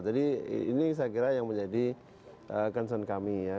jadi ini saya kira yang menjadi concern kami ya